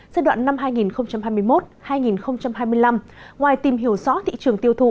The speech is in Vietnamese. giai đoạn năm hai nghìn hai mươi một hai nghìn hai mươi năm ngoài tìm hiểu rõ thị trường tiêu thụ